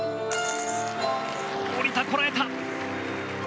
降りた、こらえた！